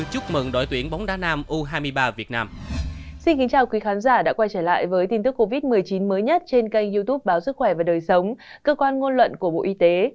chào các bạn đã quay trở lại với tin tức covid một mươi chín mới nhất trên kênh youtube báo sức khỏe và đời sống cơ quan ngôn luận của bộ y tế